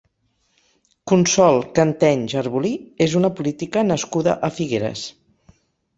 Consol Cantenys Arbolí és una política nascuda a Figueres.